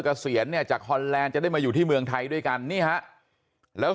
เกษียณเนี่ยจากฮอนแลนด์จะได้มาอยู่ที่เมืองไทยด้วยกันนี่ฮะแล้ว